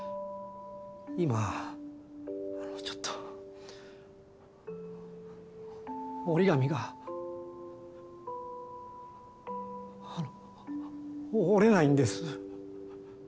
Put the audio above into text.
今ちょっと折り紙が折れないんです。